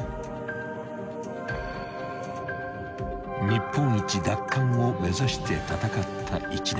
［日本一奪還を目指して戦った１年］